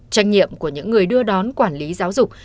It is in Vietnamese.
trách nhiệm của những người đưa đón quản lý giáo dục